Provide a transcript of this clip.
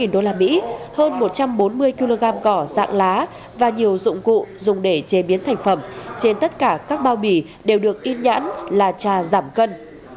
một mươi usd hơn một trăm bốn mươi kg cỏ dạng lá và nhiều dụng cụ dùng để chế biến thành phẩm trên tất cả các bao bì đều được in nhãn là trà giảm cân